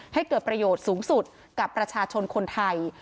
ให้เกิดประโยชน์สูงสุดกับประชาชนคนไทย